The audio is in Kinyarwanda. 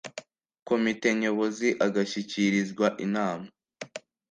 komite nyobozi agashyikirizwa inama